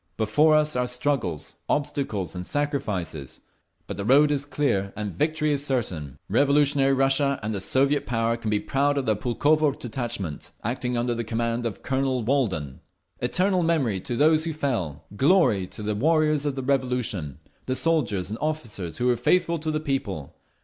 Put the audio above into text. Before us are struggles, obstacles and sacrifices. But the road is clear and victory is certain. Revolutionary Russia and the Soviet Power can be proud of their Pulkovo detachment, acting under the command of Colonel Walden. Eternal memory to those who fell! Glory to the warriors of the Revolution, the soldiers and the officers who were faithful to the People!